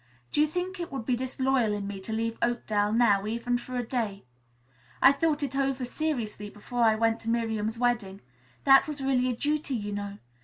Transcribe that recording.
"Do you think it would be disloyal in me to leave Oakdale now, even for a day? I thought it over seriously before I went to Miriam's wedding. That was really a duty, you know.